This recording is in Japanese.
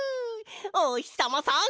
おひさまさん